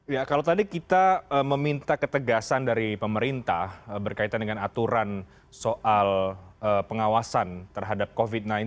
ya kalau tadi kita meminta ketegasan dari pemerintah berkaitan dengan aturan soal pengawasan terhadap covid sembilan belas